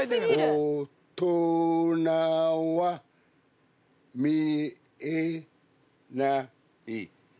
大人は見えない